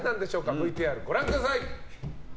ＶＴＲご覧ください。